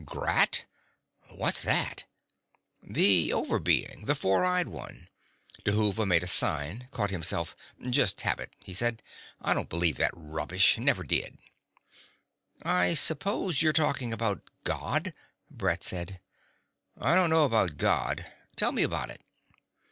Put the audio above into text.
"Grat? What's that?" "The Over Being. The Four eyed One." Dhuva made a sign, caught himself. "Just habit," he said. "I don't believe that rubbish. Never did." "I suppose you're talking about God," Brett said. "I don't know about God. Tell me about it."